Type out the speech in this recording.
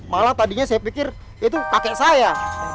malah tadinya saya pikir itu pakai saya